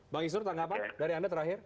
bang isnur tanggapan dari anda terakhir